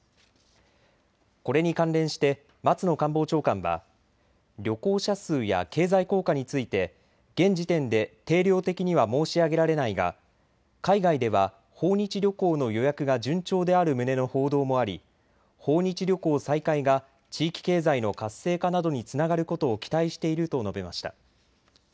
これに関連して松野官房長官は旅行者数や経済効果について現時点で定量的には申し上げられないが海外では訪日旅行の予約が順調である旨の報道もあり訪日旅行再開が地域経済の活性化などにつながることを期待していると述べました。